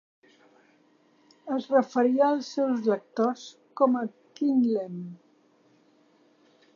Es referia als seus lectors com a "Kitlem".